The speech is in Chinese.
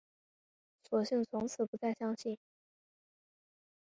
索性从此不再相信